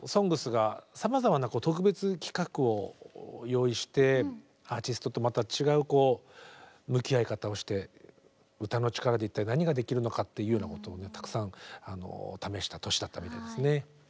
「ＳＯＮＧＳ」がさまざまな特別企画を用意してアーティストとまた違う向き合い方をして歌の力で一体何ができるのかっていうようなことをたくさん試した年だったみたいですね。